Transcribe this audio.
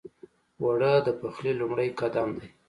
اوړه د پخلي لومړی قدم دی